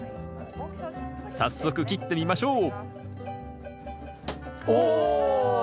早速切ってみましょうお！